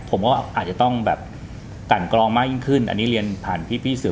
ผมก็อาจจะต้องแบบกันกรองมากยิ่งขึ้นอันนี้เรียนผ่านพี่สื่อ